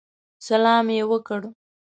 سلام یې وکړ.